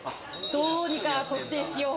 どうにか特定しよう。